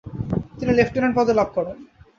তিনি লেফটেন্যান্ট পদ লাভ করেন।